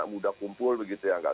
kumpul kumpul di tempat